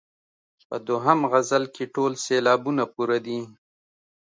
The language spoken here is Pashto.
په دوهم غزل کې ټول سېلابونه پوره دي.